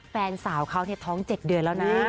แฟนสาวเขาท้อง๗เดือนแล้วนะ